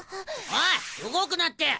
おい動くなって。